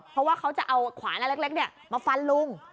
เพราะว่าเขาจะเอาขวานเล็กมาฟันลุง